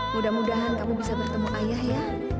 mudah mudahan kamu bisa bertemu ayah ya